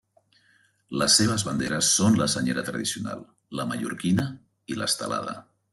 Les seves banderes són la senyera tradicional, la mallorquina i l'estelada.